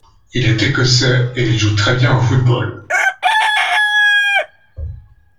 Il est Écossais et il joue très bien au football.